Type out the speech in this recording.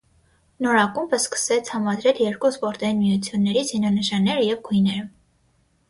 Նոր ակումբը սկսեց համադրել երկու սպորտային միությունների զինանշանները և գույները։